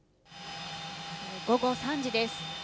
午後３時です。